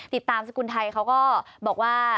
ติดตามสกุลไทยเขาก็บอกว่า